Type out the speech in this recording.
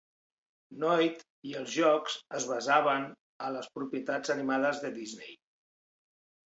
Noid i els jocs es basaven a les propietats animades de Disney.